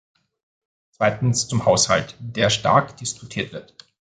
Zweitens zum Haushalt, der stark diskutiert wird.